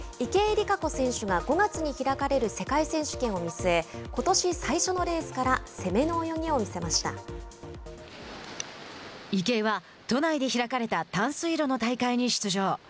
池江璃花子選手が５月に開かれる世界選手権を見据えことし最初のレースから池江は都内で開かれた短水路の大会に出場。